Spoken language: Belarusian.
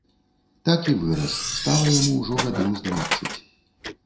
Так і вырас, стала яму ўжо гадоў з дваццаць.